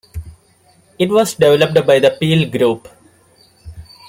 It was developed by the Peel Group.